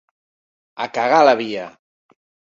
A cagar a la via!